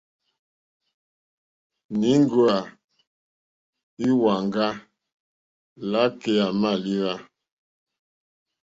Íŋgòwá íhwáŋgà lǎkèyà mâlíwà.